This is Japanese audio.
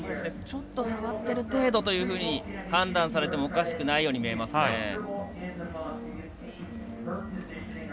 ちょっと触ってる程度というふうに判断されてもいいように見えますね。